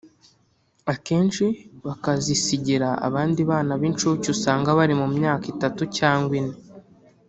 akenshi bakazisigira abandi bana b’inshuke usanga bari mu myaka itatu cyangwa ine